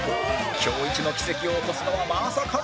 今日イチの奇跡を起こすのはまさかの